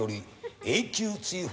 永久追放。